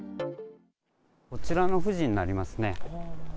こちらの藤になりますね。